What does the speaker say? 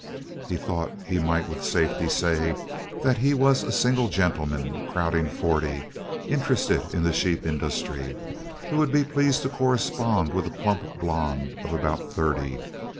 He thought he might with safety say that he was a single gentleman, crowding forty, interested in the sheep industry, who would be pleased to correspond with a plump blonde of about thirty.